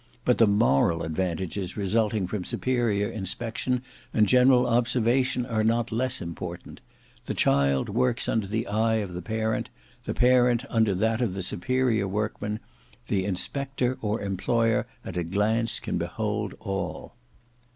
But the moral advantages resulting from superior inspection and general observation are not less important: the child works under the eye of the parent, the parent under that of the superior workman; the inspector or employer at a glance can behold all.